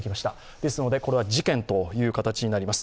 ですので、これは事件という形になります。